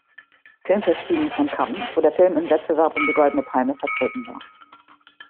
Filmfestspielen von Cannes, wo der Film im Wettbewerb um die Goldene Palme vertreten war.